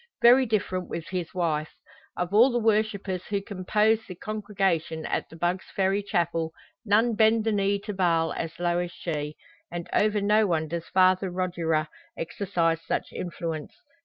Very different with his wife. Of all the worshippers who compose the congregation at the Bugg's Ferry Chapel none bend the knee to Baal as low as she; and over no one does Father Rogier exercise such influence.